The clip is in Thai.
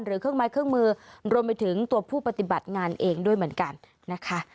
เครื่องไม้เครื่องมือรวมไปถึงตัวผู้ปฏิบัติงานเองด้วยเหมือนกันนะคะ